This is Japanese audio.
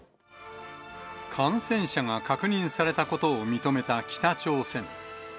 感染者が確認されたことを認めた北朝鮮。